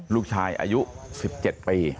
ลูกชายอายุ๑๗ปี